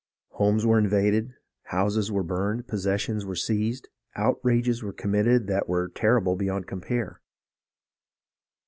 Homes were invaded, houses were burned, possessions were seized, outrages were committed that were terrible beyond compare.